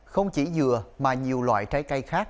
không chỉ dừa mà nhiều loại trái cây khác